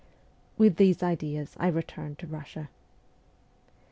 With these ideas I returned to Russia.